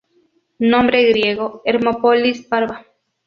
Nombre griego: Hermópolis Parva.